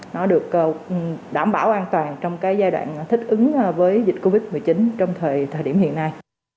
nó được đảm bảo an toàn trong cái giai đoạn thích ứng với dịch covid một mươi chín trong thời điểm hiện nay